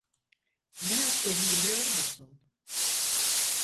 Ne yaptığımı biliyor musun?